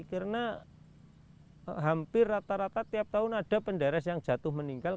karena hampir rata rata tiap tahun ada penderes yang jatuh meninggal